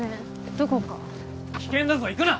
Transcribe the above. どこか危険だぞ行くな！